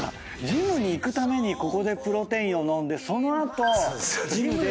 ジムに行くためにここでプロテインを飲んでその後ジムで。